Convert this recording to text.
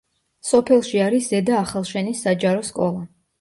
სოფელში არის ზედა ახალშენის საჯარო სკოლა.